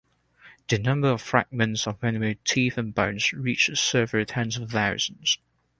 The number of fragments of animal teeth and bones reaches several tens of thousands.